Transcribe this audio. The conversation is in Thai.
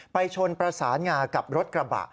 ชนประสานงากับรถกระบะ